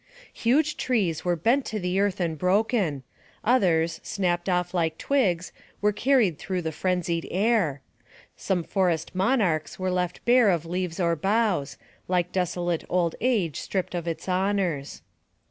Huge trees were bent to the earth and broken; others, snapped off like twigs, were carried through the frenzied air. Some forest monarchs were left bare of leaves or boughs, like desolate old age stripped of its honors.